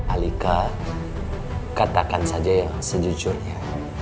alika katakan saja yang sejujurnya